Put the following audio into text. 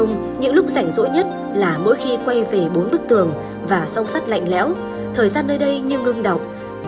nhưng những lúc rảnh rỗi nhất là mỗi khi quay về bốn bức tường và song sắt lạnh lẽo thời gian nơi đây như ngưng đọc